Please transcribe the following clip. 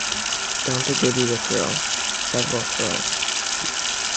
Don’t they give you a thrill — several thrills?